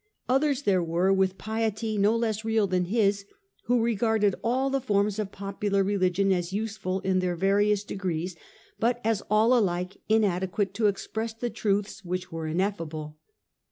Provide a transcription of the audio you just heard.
Others there were with piety no less real than his, who regarded all the forms of popular religion as useful in their various degrees, but and Maxi as aU alike inadequate to express the truths which were ineffable.